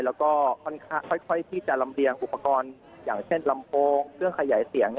แล้วก็ค่อยที่จะลำเลียงอุปกรณ์อย่างเช่นลำโพงเครื่องขยายเสียง